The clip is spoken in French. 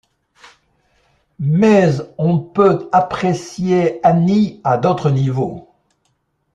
Mais on peut apprécier Annie à d'autres niveaux.